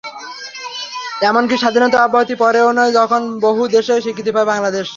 এমনকি স্বাধীনতার অব্যবহিত পরেও নয়, যখন বহু দেশের স্বীকৃতি পায়নি বাংলাদেশ।